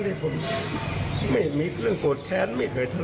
ไม่เคยไม่มีอะไรอย่างนี้ผม